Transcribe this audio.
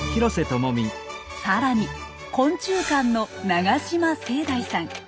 更に昆虫館の長島聖大さん。